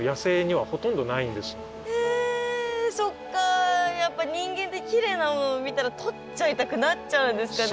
今はそっかやっぱ人間ってきれいなものを見たらとっちゃいたくなっちゃうんですかね。